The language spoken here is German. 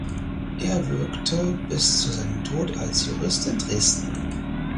Er wirkte bis zu seinem Tod als Jurist in Dresden.